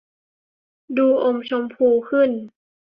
ดูอมชมพูขึ้น